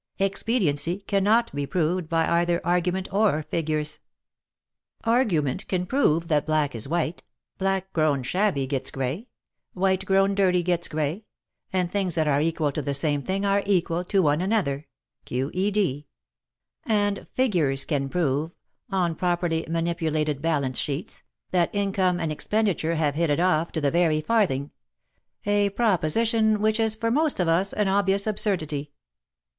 Expediency cannot be proved by either argmnent ox figures. Argument can prove that black is white (black grown shabby gets grey, white grown dirty gets grey, and things that are equal to the same thing are equal to one another, q.e.d.). WAR AND WOMEN 3 And figures can prove — on properly mani pulated balance sheets — that income and ex penditure have hit it off to the very farthing — a proposition which is for most of us an obvious absurdity.